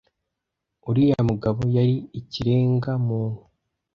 uriya mugabo yari ikirenga muntu